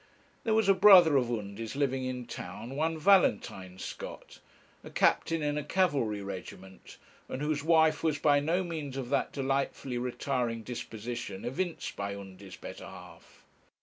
There was a brother of Undy's living in town, one Valentine Scott a captain in a cavalry regiment, and whose wife was by no means of that delightfully retiring disposition evinced by Undy's better half.